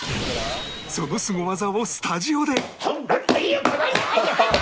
そのスゴ技をスタジオではいよっ！